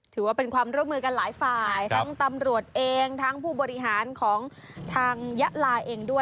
ถือว่าเป็นความร่วมมือกันหลายฝ่ายทั้งตำรวจเองทั้งผู้บริหารของทางยะลาเองด้วย